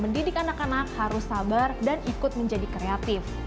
mendidik anak anak harus sabar dan ikut menjadi kreatif